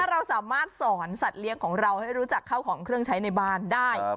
เราสามารถสอนสัตว์เลี้ยงของเราให้รู้จักเข้าของเครื่องใช้ในบ้านได้